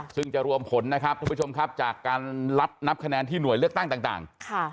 ซึ่งจะรวมผลนะครับทุกผู้ชมครับจากการรับนับคะแนนที่หน่วยเลือกตั้งต่าง